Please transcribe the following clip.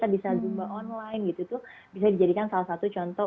bisa zumba online gitu tuh bisa dijadikan salah satu contoh